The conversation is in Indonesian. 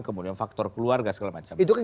kemudian faktor keluarga segala macam